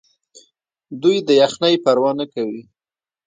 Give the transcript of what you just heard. دوی د یخنۍ پروا نه کوي.